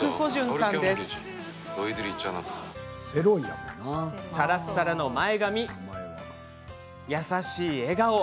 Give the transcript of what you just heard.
さらっさらの前髪、優しい笑顔。